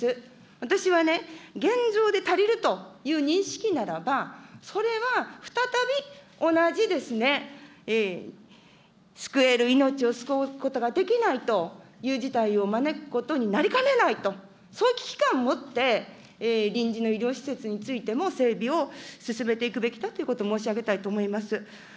私はね、現状で足りるという認識ならば、それは再び同じですね、救える命を救うことができないという事態を招くことになりかねないと、そういう危機感を持って、臨時の医療施設についても整備を進めていくべきだということを申し上げたいと思います。